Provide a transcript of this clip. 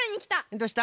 どうした？